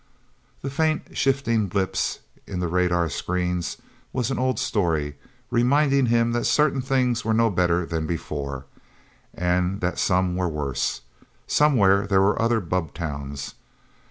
The faint, shifting blips in the radar screens was an old story, reminding him that certain things were no better than before, and that some were worse. Somewhere there were other bubbtowns.